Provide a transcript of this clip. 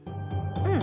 うん。